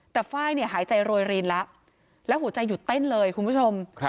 แต่ไฟล์หายใจโรยรินแล้วแล้วหัวใจหยุดเต้นเลยคุณผู้ชม